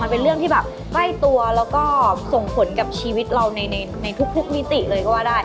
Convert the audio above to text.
มันเป็นเรื่องที่แบบใกล้ตัวแล้วก็ส่งผลกับชีวิตเราในทุกมิติเลยก็ว่าได้